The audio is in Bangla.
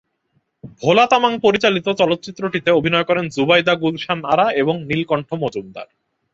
ভোলা তামাং পরিচালিত চলচ্চিত্রটিতে অভিনয় করেন জুবাইদা গুলশান আরা এবং নীলকণ্ঠ মজুমদার।